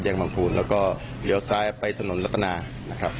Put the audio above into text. แยกบางคูณแล้วก็เหลือซ้ายไปถนนละตนานะครับ